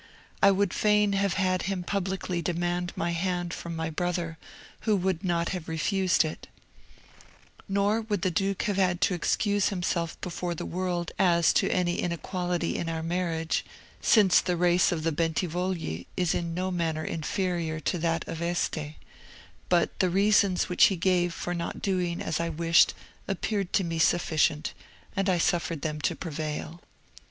I would fain have had him publicly demand my hand from my brother, who would not have refused it; nor would the duke have had to excuse himself before the world as to any inequality in our marriage, since the race of the Bentivogli is in no manner inferior to that of Este; but the reasons which he gave for not doing as I wished appeared to me sufficient, and I suffered them to prevail.